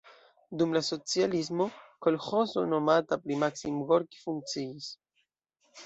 Dum la socialismo kolĥozo nomata pri Maksim Gorkij funkciis.